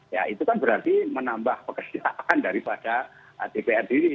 ya itu kan berarti menambah pekerjaan daripada dpr sendiri